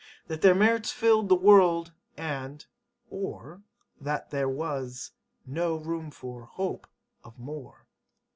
That their merits filled the world [and] or that there was no [room for] hope of more.'